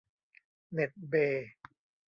เน็ตเบย์